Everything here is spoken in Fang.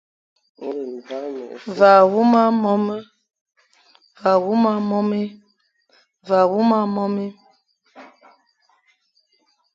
Ve a huma mome,